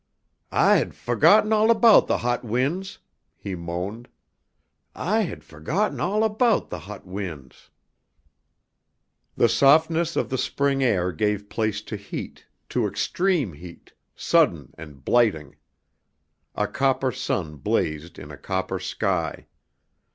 "I had forgotten all about the hot winds!" he moaned. "I had forgotten all about the hot winds!" The softness of the spring air gave place to heat, to extreme heat, sudden and blighting. A copper sun blazed in a copper sky.